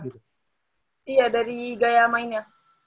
iya dari gaya mainnya